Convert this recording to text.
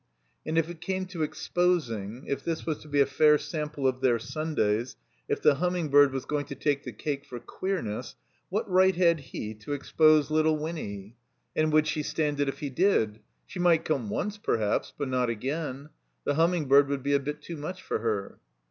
And if it came to exposing, if this was to be a fair sample of their Sundays, if the Hiunming bird was going to take the cake for queemess, what right had he to expose little Winny? And would she stand it if he did ? She might come once, perhaps, but not again. The Humming bird would be a bit too much for her.